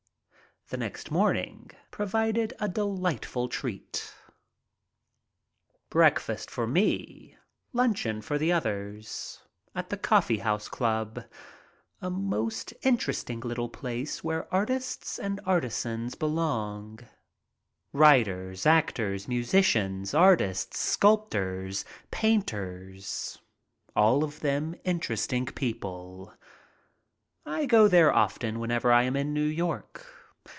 The next morning provided a delightful treat. Break fast for me, luncheon for the others, at the Coffee House Club, a most interesting little place where artists and artisans belong — writers, actors, musicians, artists, sculp tors, painters — all of them interesting people. I go there often whenever I am in New York.